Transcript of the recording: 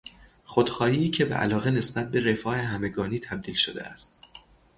خودخواهی که به علاقه نسبت به رفاه همگانی تبدیل شده است